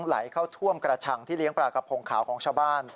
ไหลเข้าท่วมกระชังที่เลี้ยงปลากระพงขาวของชาวบ้าน